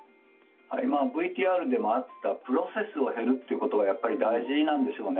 ＶＴＲでもあったプロセスを経るということがやっぱり大事なんでしょうね。